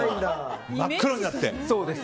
真っ黒になって。